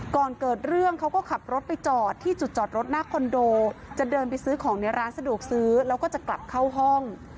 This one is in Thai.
ก่อนเกิดเรื่องเขาก็ขับรถไปจอดที่จุดจอดรถหน้าคอนโดจะเดินไปซื้อของในร้านสะดวกซื้อแล้วก็จะกลับเข้าห้อง